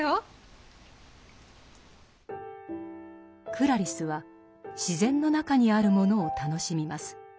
クラリスは自然の中にあるものを楽しみます。